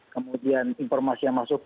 kemudian informasi yang masuk